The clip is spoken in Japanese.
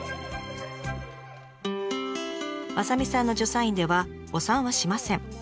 雅美さんの助産院ではお産はしません。